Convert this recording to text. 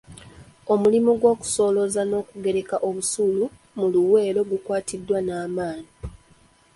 Omulimu gw’okusolooza n’okugereka busuulu mu Luweero gukwatiddwa na maanyi.